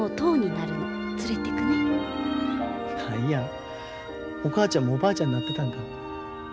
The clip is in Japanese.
何やお母ちゃんもおばあちゃんになってたんか。